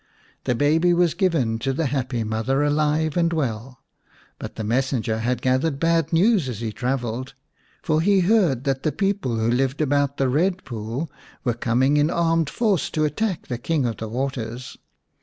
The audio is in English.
The baby was given to the happy mother alive and well, but the messenger had gathered bad news as he travelled. For he heard that the people who lived about the Red Pool were coming in armed force to attack the King of the Waters.